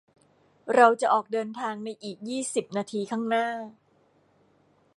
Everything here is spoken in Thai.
เราจะออกเดินทางในอีกยี่สิบนาทีข้างหน้า